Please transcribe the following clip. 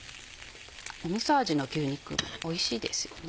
みそ味の牛肉おいしいですよね。